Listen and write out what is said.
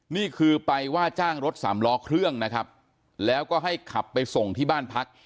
นี่คือไปว่าจ้างรถสามล้อเครื่องนะครับแล้วก็ให้ขับไปส่งที่บ้านพัก